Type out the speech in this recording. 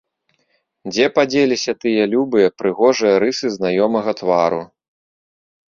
Дзе падзеліся тыя любыя, прыгожыя рысы знаёмага твару?